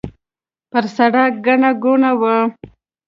پر سړک ګڼه ګوڼه وه.